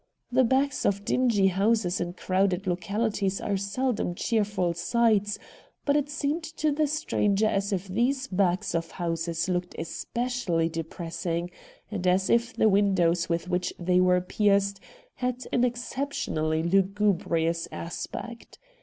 The backs of dingy houses in crowded localities are seldom cheerful sights, but it seemed to the stranger as if these backs of houses looked especially depressing, and as if the windows with which they were pierced had an exceptionally lugubrious aspect.